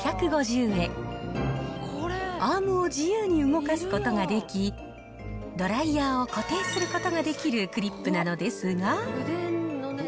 アームを自由に動かすことができ、ドライヤーを固定することができるクリップなのですが。